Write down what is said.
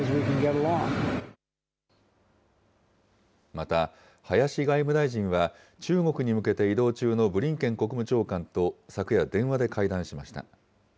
また、林外務大臣は、中国に向けて移動中のブリンケン国務長官と昨夜、電話で会談しました。